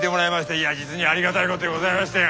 いや実にありがたいことでございましたよ。